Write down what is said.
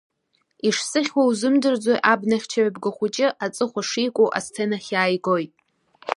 Ишсыхьуа узымдырӡои Абнахьчаҩ абгахәыҷы аҵыхәа шику асценахь иааигоит.